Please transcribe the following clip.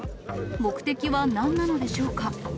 目的はなんなのでしょうか。